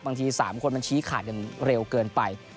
บางที๓คนมันชี้ขาดกันเร็วเกินไป